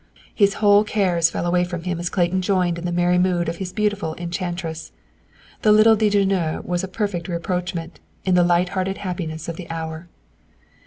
His whole cares fell away from him as Clayton joined in the merry mood of his beautiful enchantress. The little dejeuner was a perfect rapprochement, in the light hearted happiness of the hour.